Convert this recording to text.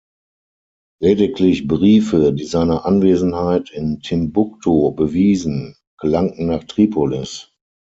Lediglich Briefe, die seine Anwesenheit in Timbuktu bewiesen, gelangten nach Tripolis.